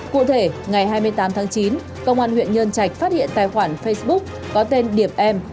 cụ thể ngày hai mươi tám tháng chín công an huyện nhân trạch phát hiện tài khoản facebook có tên điểm em